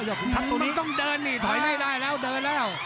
ขุนทัพตรงนี้ต้องเดินนี่ถอยไม่ได้แล้วเดินแล้ว